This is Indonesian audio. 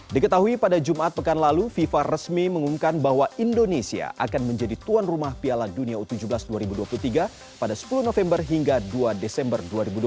diketahui pada jumat pekan lalu fifa resmi mengumumkan bahwa indonesia akan menjadi tuan rumah piala dunia u tujuh belas dua ribu dua puluh tiga pada sepuluh november hingga dua desember dua ribu dua puluh